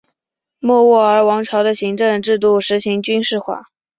莫卧儿王朝的行政制度实行军事化。